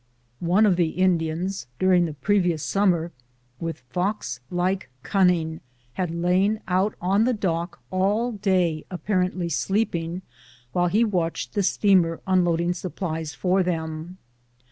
One of the Indians, during the previous summer, with fox like cunning had lain out on the dock all day ap AN INDIAN COUNCIL. 227 parently sleeping, while he watched the steamer unload ing supplies intended for them.